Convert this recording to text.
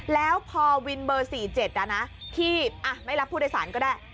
แล้วพอวินเบอร์๔๗ที่ไม่รับผู้โดยสารก็ได้